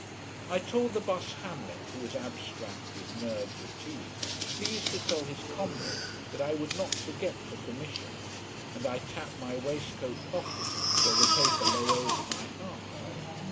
I told the bus Hamlet, who was abstract with nerve fatigue, please to tell his comrade that I would not forget the commission: and I tapped my waistcoat pocket, where the paper lay over my heart.